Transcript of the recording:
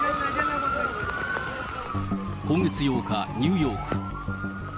今月８日、ニューヨーク。